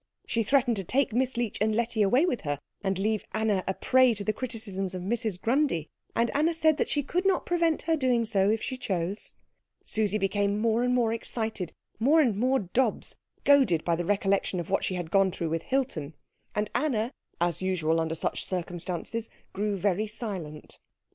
She threatened to take Miss Leech and Letty away with her, and leave Anna a prey to the criticisms of Mrs. Grundy, and Anna said she could not prevent her doing so if she chose. Susie became more and more excited, more and more Dobbs, goaded by the recollection of what she had gone through with Hilton, and Anna, as usual under such circumstances, grew very silent.